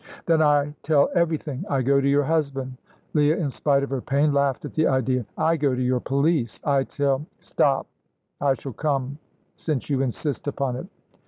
"Then I tell everything. I go to your husband." Leah, in spite of her pain, laughed at the idea. "I go to your police. I tell " "Stop, I shall come, since you insist upon it."